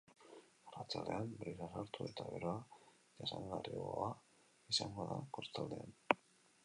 Arratsaldean, brisa sartu eta beroa jasangarriagoa izango da kostaldean.